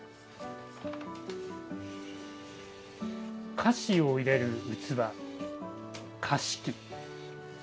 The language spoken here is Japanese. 菓子を入れる器菓子器。